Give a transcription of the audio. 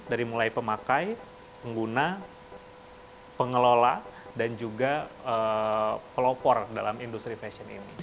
dari mulai pemakai pengguna pengelola dan juga pelopor dalam industri fashion ini